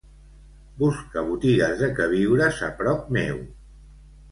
Busca botigues de queviures a prop meu.